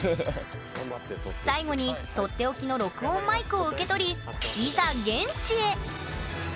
最後に取って置きの録音マイクを受け取りいざ